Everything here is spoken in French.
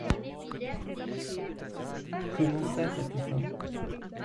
Comment ça t'as plus faim?